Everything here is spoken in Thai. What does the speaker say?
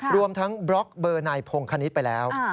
รวมทั้งบล็อกเบอร์นายพงคณิตไปแล้ว